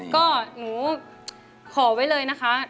ก็หนูขอไว้เลยนะคะ